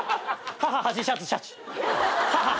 母端シャツシャチ。